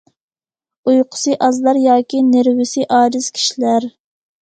ئۇيقۇسى ئازلار ياكى نېرۋىسى ئاجىز كىشىلەر.